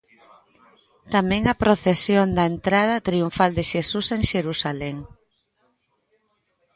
Tamén a procesión da Entrada Triunfal de Xesús en Xerusalén.